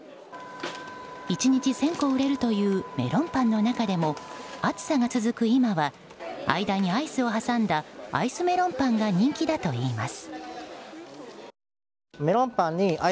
１日１０００個売れるというメロンパンの中でも暑さが続く今は間にアイスを挟んだアイスめろんぱんが人気だといいます。